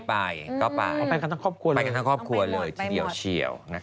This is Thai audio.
ไปโดยทั้งครอบครัวเลย